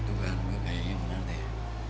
dugaan gue kayaknya benar deh